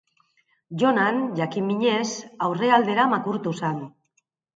Jonan, jakin-minez, aurrealdera makurtu zen.